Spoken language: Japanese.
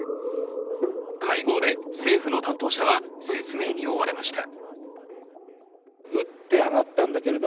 会合で政府の担当者は説明に追われました。